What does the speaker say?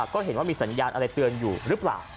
ก็เห็นว่ามีสัญญาณอะไรเตือนอยู่หรือเปล่า